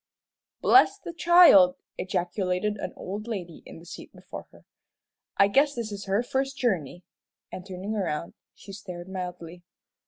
"Bless the child!" ejaculated an old lady in the seat before her, "I guess this is her first journey," and turning around, she stared mildly.